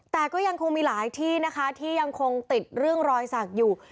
แต่ก็ยังคงมีหลายที่นะคะที่ยังคงติดเรื่องรอยสักอยู่